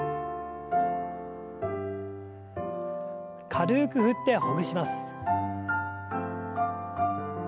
軽く振ってほぐします。